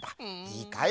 いいかい？